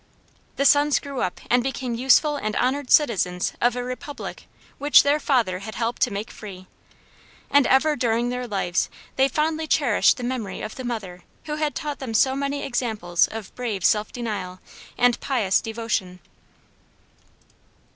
The sons grew up and became useful and honored citizens of a Republic which their father had helped to make free; and ever during their lives they fondly cherished the memory of the mother who had taught them so many examples of brave self denial and pious devotion.